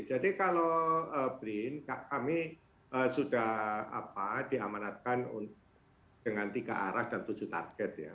jadi kalau brin kami sudah apa diamanatkan dengan tiga arah dan tujuh target ya